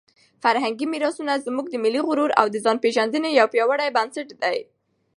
فرهنګي میراثونه زموږ د ملي غرور او د ځانپېژندنې یو پیاوړی بنسټ دی.